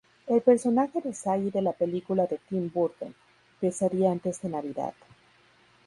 El personaje de Sally de la película de Tim Burton, Pesadilla antes de Navidad.